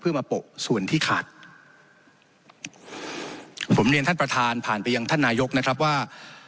เพื่อมาโปะส่วนที่ขาดผมเรียนท่านประธานผ่านไปยังท่านนายกนะครับว่า